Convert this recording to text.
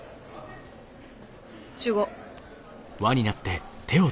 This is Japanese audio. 集合。